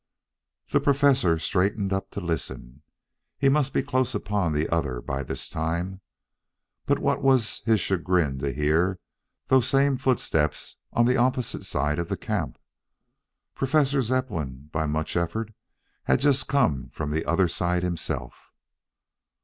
The Professor straightened up to listen. He must be close upon the other by this time. But what was his chagrin to hear those same footsteps on the opposite side of the camp. Professor Zepplin by much effort had just come from the other side himself.